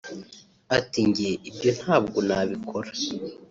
Ati “Njye ibyo ntabwo nabikora